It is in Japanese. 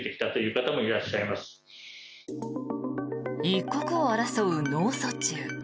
一刻を争う脳卒中。